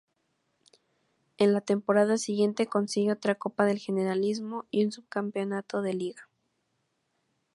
En la temporada siguiente consigue otra Copa del Generalísimo y un subcampeonato de liga.